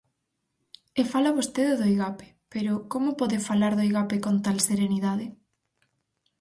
E fala vostede do Igape, pero ¿como pode falar do Igape con tal serenidade?